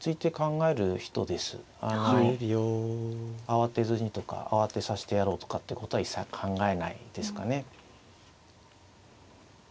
慌てずにとか慌てさしてやろうとかってことは一切考えないですかね。